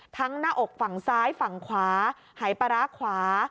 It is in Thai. หน้าอกฝั่งซ้ายฝั่งขวาหายปลาร้าขวา